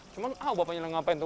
cuma ah bapaknya ngapain tuh